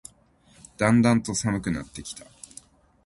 だんだんと寒くなってきた